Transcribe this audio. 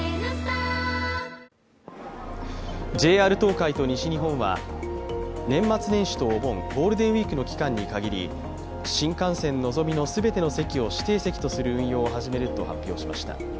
ＪＲ東海と西日本は年末年始とお盆、ゴールデンウイークの期間に限り、新幹線のぞみの全ての席を指定席とする運用を始めると発表しました。